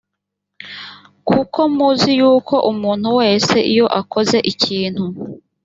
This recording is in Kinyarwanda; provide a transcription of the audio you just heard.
kuko muzi yuko umuntu wese iyo akoze ikintu